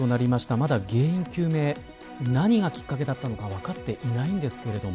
まだ原因究明何がきっかけだったのか分かっていないんですけれども。